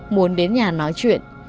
muốn đến nhà nói chuyện